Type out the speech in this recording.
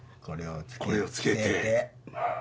これをつけて。